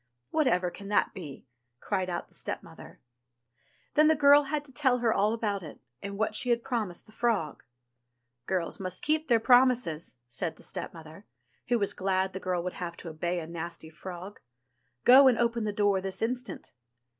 '* "Whatever can that be ?" cried out the stepmother. Then the girl had to tell her all about it, and what she had promised the frog. "Girls must keep their promises," said the stepmother, who was glad the girl would have to obey a nasty frog. "Go and open the door this instant."